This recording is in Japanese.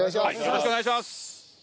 よろしくお願いします！